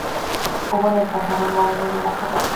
Hubo en el pasado un molino y una ferrería.